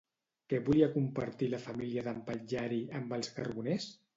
Què volia compartir la família d'en Patllari amb els carboners?